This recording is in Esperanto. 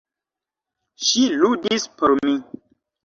Ŝi ludis por mi!